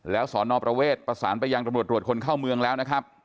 แล้วสอนอประเวทประสานไปยังตำรวจตรวจคนเข้าเมืองแล้วนะครับ